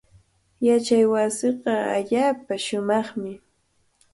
Yachaywasiiqa allaapa shumaqmi.